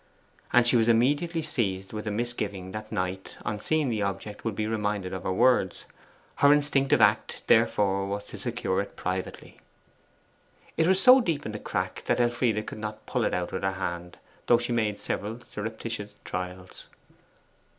And she was immediately seized with a misgiving that Knight, on seeing the object, would be reminded of her words. Her instinctive act therefore was to secure it privately. It was so deep in the crack that Elfride could not pull it out with her hand, though she made several surreptitious trials.